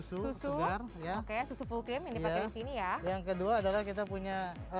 susu ya oke susu full cream ini pakai sini ya yang kedua adalah kita punya